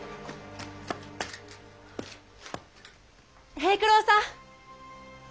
平九郎さん。